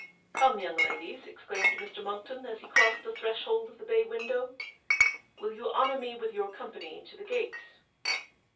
" Come, young ladies," exclaimed Mr. Monck THE lawyer's suspicion. 307 ton, as he crossed the threshold of the bay window, " will you honour me with your company to the gates."